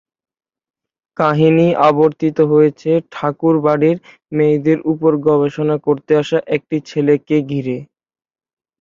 কাহিনি আবর্তিত হয়েছে ঠাকুর বাড়ির মেয়েদের ওপর গবেষণা করতে আসা একটি ছেলেকে ঘিরে।